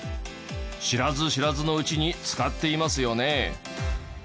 知らず知らずのうちに使っていますよね。